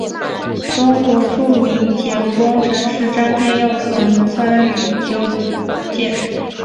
中国著名铁路工程师詹天佑曾参与修建。